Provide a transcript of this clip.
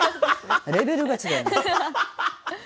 レベルが違います。